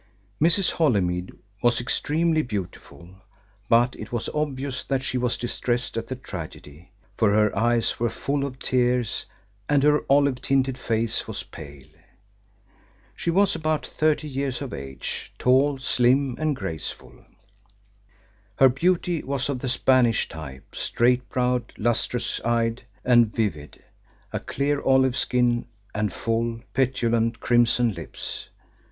Mrs. Holymead was extremely beautiful, but it was obvious that she was distressed at the tragedy, for her eyes were full of tears, and her olive tinted face was pale. She was about thirty years of age; tall, slim, and graceful. Her beauty was of the Spanish type: straight browed, lustrous eyed, and vivid; a clear olive skin, and full, petulant, crimson lips.